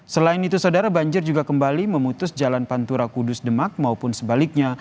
selain itu saudara banjir juga kembali memutus jalan pantura kudus demak maupun sebaliknya